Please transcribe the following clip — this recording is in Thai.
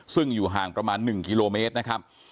ซึ่งอยู่ห่างประมาณ๑กิโลเมตรนะครับ